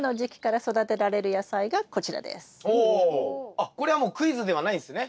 あっこれはもうクイズではないんすね。